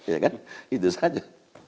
ya kan itu saja